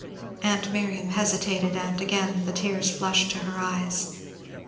Aunt Miriam hesitated, and again the tears flushed to her eyes.